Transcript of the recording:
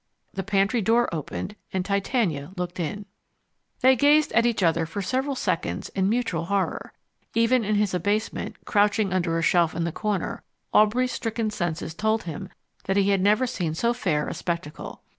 The pantry door opened, and Titania looked in. They gazed at each other for several seconds in mutual horror. Even in his abasement, crouching under a shelf in the corner, Aubrey's stricken senses told him that he had never seen so fair a spectacle.